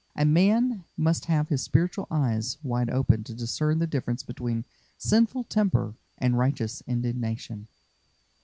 A man must have his spiritual eyes wide open to discern the difference between sinful temper and righteous indignation.